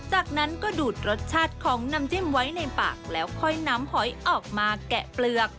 จากนั้นก็ดูดรสชาติของน้ำจิ้มไว้ในปากแล้วค่อยนำหอยออกมาแกะเปลือก